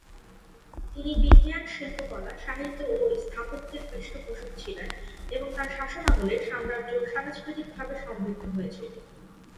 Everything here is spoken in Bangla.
তিনি বিজ্ঞান, শিল্পকলা, সাহিত্য ও স্থাপত্যের পৃষ্ঠপোষক ছিলেন এবং তাঁর শাসনামলে সাম্রাজ্য সাংস্কৃতিকভাবে সমৃদ্ধ হয়েছিল।